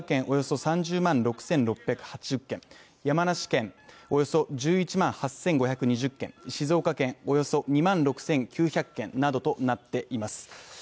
およそ３０万６６８０軒、山梨県、およそ１１万８５２０軒、静岡県およそ２万６９００軒などとなっています。